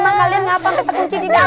emang kalian ngapa kita kunci di dalam